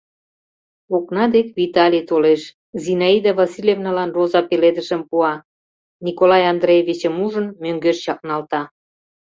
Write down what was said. Окна дек Виталий толеш, Зинаида Васильевналан роза пеледышым пуа, Николай Андреевичым ужын, мӧҥгеш чакналта.